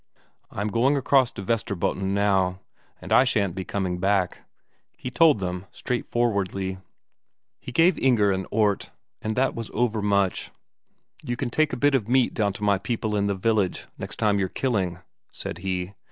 "I'm going across to Vesterbotten now, and I shan't be coming back," he told them straightforwardly. He gave Inger an Ort, and that was overmuch. "You can take a bit of meat down to my people in the village next time you're killing," said he.